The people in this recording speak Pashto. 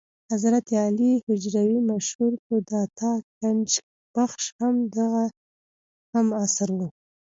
حضرت علي هجویري مشهور په داتا ګنج بخش هم د هغه هم عصر و.